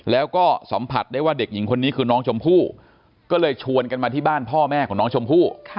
แล้วก็สัมผัสได้ว่าเด็กหญิงคนนี้คือน้องชมพู่ก็เลยชวนกันมาที่บ้านพ่อแม่ของน้องชมพู่